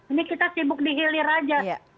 ini kita sibuk dihilir aja